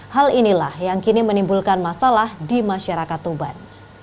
hal inilah yang kini menimbulkan masalah di masyarakat tuban